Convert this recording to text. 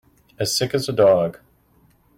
As sick as a dog.